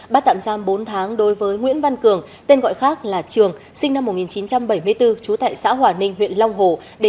bắt tạm giam bốn tháng đối với nguyễn văn cường tên gọi khác là trường sinh năm một nghìn chín trăm bảy mươi bốn trú tại xã hòa ninh